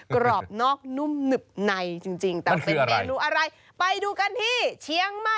กรอบนอกนุ่มนุบในจริง